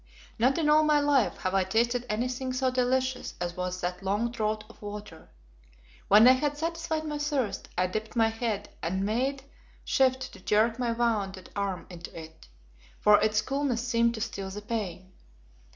Not in all my life have I tasted anything so delicious as was that long draught of water. When I had satisfied my thirst, I dipped my head and made shift to jerk my wounded arm into it, for its coolness seemed to still the pain.